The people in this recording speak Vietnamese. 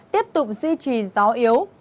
tiếp tục duy trì gió yếu